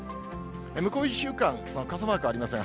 向こう１週間、傘マークありません。